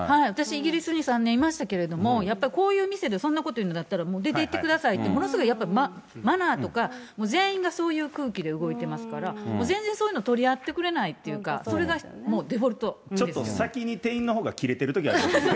イギリスに３年いましたけれども、やっぱりこういう店でそんなこと言うんだったら、もう出ていってくださいって、ものすごくやっぱマナーとか、全員がそういう空気で動いてますから、もう全然そういうの取り合ってくれないというか、ちょっとね、先に店員のほうがきれてるときありますもんね。